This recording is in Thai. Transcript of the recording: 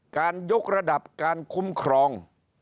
การยกระดับการคุ้มครอง